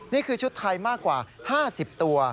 นี่คือชุดไทยมากกว่า๕๐ตัว